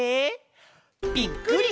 ぴっくり！